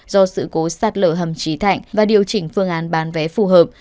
do sự cố sắt lợi hầm trí thạnh và điều chỉnh phương án bán vé phù hợp